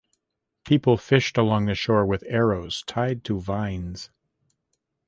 People fished along the shore with arrows tied to vines.